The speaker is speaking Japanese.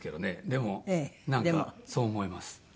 でもなんかそう思います。